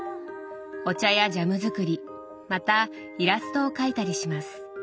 お茶やジャム作りまたイラストを描いたりします。